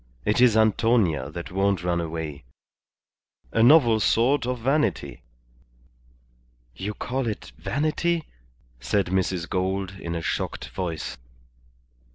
It is Antonia that won't run away. A novel sort of vanity." "You call it vanity," said Mrs. Gould, in a shocked voice.